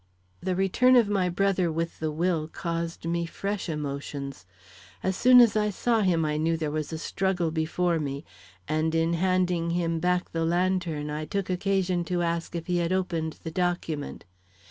The return of my brother with the will caused me fresh emotions. As soon as I saw him I knew there was a struggle before me; and in handing him back the lantern, I took occasion to ask if he had opened the document.